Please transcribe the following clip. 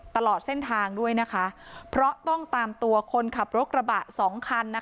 ตลอดเส้นทางด้วยนะคะเพราะต้องตามตัวคนขับรถกระบะสองคันนะคะ